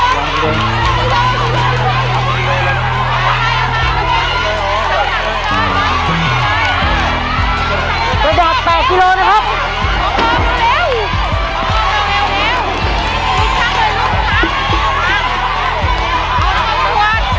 เริ่มครับ